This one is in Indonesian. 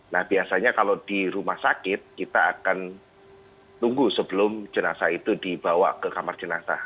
nah biasanya kalau di rumah sakit kita akan tunggu sebelum jenazah itu dibawa ke kamar jenazah